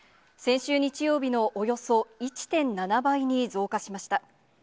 先週日曜日のおよそ１．７倍に増加しました。